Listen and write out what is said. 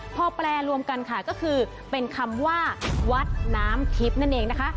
พอแปลรวมกันค่ะก็คือเป็นคำว่าวัดน้ำทิพย์นั่นเองนะคะ